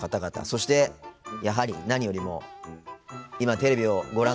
そして、やはり何よりも今、テレビをご覧の皆様。